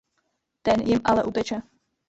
Ten jim ale uteče.